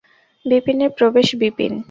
বিপিনের প্রবেশ বিপিন।